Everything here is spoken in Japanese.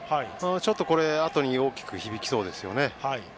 ちょっと、これはあとに大きく響きそうですね。